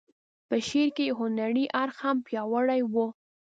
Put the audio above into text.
په شعر کې یې هنري اړخ هم پیاوړی و.